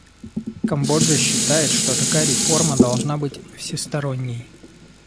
Камбоджа считает, что такая реформа должна быть всесторонней.